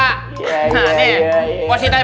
ini alat komunikasi jarak jauh